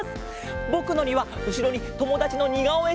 ぼくのにはうしろにともだちのにがおえ